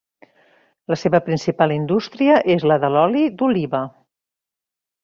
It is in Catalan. La seva principal indústria és la de l'oli d'oliva.